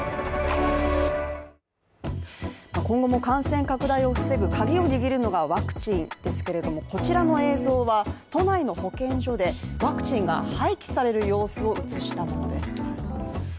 今後も感染拡大を防ぐカギを握るのがワクチンですけれども、こちらの映像は、都内の保健所でワクチンが廃棄される様子を映したものです。